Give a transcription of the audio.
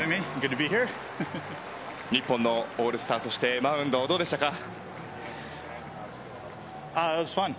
日本のオールスターそしてマウンドどうでしたか？